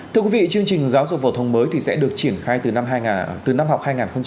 thưa quý vị chương trình giáo dục vổ thông mới sẽ được triển khai từ năm học hai nghìn hai mươi hai nghìn hai mươi một